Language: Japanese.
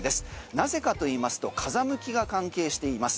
なぜかと言いますと風向きが関係しています。